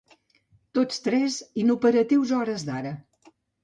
Tots tres inoperatius a hores d'ara.